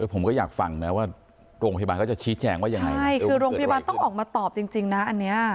ผมก็อยากฟังนะว่าโรงพยาบาลก็จะชี้แจงว่ายังไงใช่คือโรงพยาบาลต้องออกมาตอบจริงจริงนะอันเนี้ย